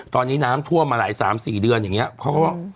ตอนนี้น้ำท่วมมาหลาย๓๔เดือนอย่างนี้เขาก็ว่า